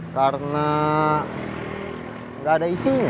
karena gak ada isinya